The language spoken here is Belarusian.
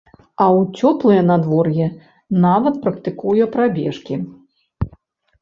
А ў цёплае надвор'е нават практыкуе прабежкі.